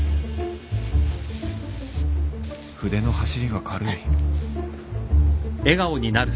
筆の走りが軽い